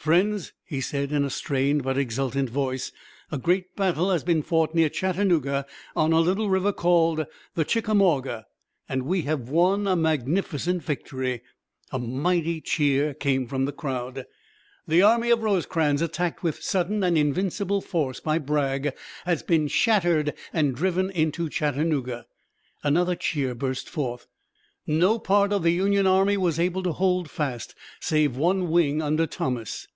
"Friends," he said in a strained, but exultant voice, "a great battle has been fought near Chattanooga on a little river called the Chickamauga, and we have won a magnificent victory." A mighty cheer came from the crowd. "The army of Rosecrans, attacked with sudden and invincible force by Bragg, has been shattered and driven into Chattanooga." Another cheer burst forth. "No part of the Union army was able to hold fast, save one wing under Thomas."